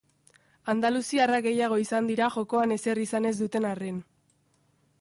Andaluziarrak gehiago izan dira, jokoan ezer izan ez duten arren.